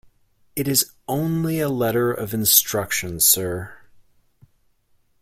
It is only a letter of instruction, sir.